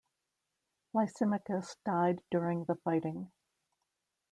Lysimachus died during the fighting.